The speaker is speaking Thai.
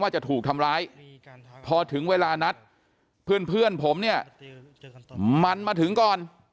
จะถูกทำร้ายพอถึงเวลานัดเพื่อนผมเนี่ยมันมาถึงก่อน